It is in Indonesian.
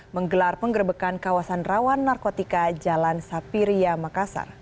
menggelar penggerbekan kawasan rawan narkotika jalan sapiria makassar